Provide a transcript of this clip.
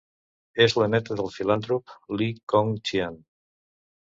És la neta del filantrop Lee Kong Chian.